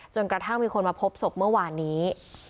กระทั่งมีคนมาพบศพเมื่อวานนี้